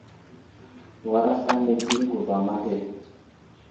War aslane di guvam ahe.